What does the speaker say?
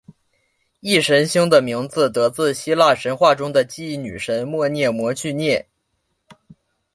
忆神星的名字得自希腊神话中的记忆女神谟涅摩叙涅。